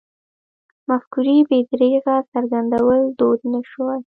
مفکورې بې درېغه څرګندول دود نه شوی.